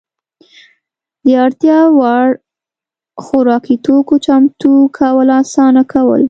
د اړتیا وړ خوراکي توکو چمتو کول اسانه کول.